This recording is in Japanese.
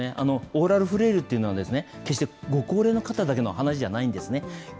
オーラルフレイルというのは、決してご高齢の方だけの話じゃないんですね。